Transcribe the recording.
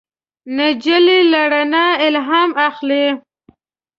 نجلۍ له رڼا الهام اخلي.